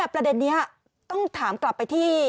ประเด็นนี้ต้องถามกลับไปที่